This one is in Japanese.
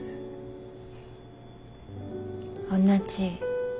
同じ。